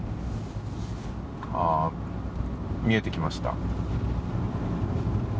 見えてきました。